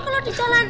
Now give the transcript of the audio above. kalau di jalan